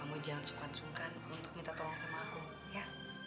kamu jangan sungkan sungkan untuk minta tolong sama aku ya